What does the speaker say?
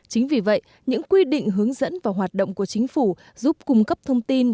chính vì vậy những quy định hướng dẫn và hoạt động của chính phủ giúp cung cấp thông tin